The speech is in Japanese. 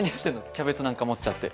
キャベツなんか持っちゃって。